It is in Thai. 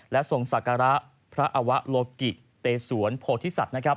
และทรงศักราพระอวลกิเตศวรโผทิสัตว์